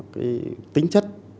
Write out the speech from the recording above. cái tính chất